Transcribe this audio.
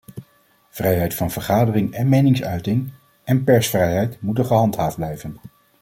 Vrijheid van vergadering en meningsuiting en persvrijheid moeten gehandhaafd blijven.